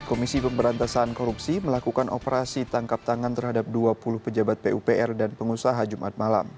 komisi pemberantasan korupsi melakukan operasi tangkap tangan terhadap dua puluh pejabat pupr dan pengusaha jumat malam